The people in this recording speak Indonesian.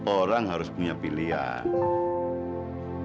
orang harus punya pilihan